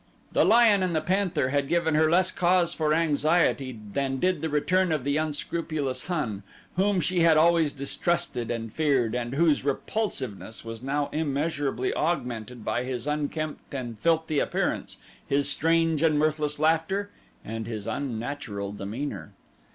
The lion and the panther had given her less cause for anxiety than did the return of the unscrupulous Hun, whom she had always distrusted and feared, and whose repulsiveness was now immeasurably augmented by his unkempt and filthy appearance, his strange and mirthless laughter, and his unnatural demeanor.